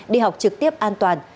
đi học trực tiếp an toàn